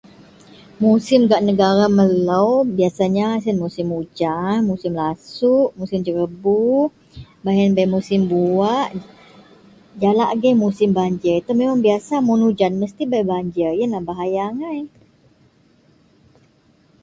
musim gak negara melou biasanya sien musim ujan musim lasuk, musim jerebu baih ien bei musim buah, jalak agei musim banjir, itou biasa mun ujan mesti bei banjir, ien lah bahaya agai